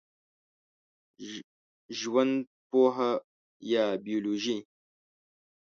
ژوندپوهه یا بېولوژي